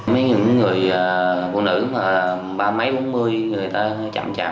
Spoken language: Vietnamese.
mấy người phụ nữ mà ba mấy bốn mươi người ta chạm chạm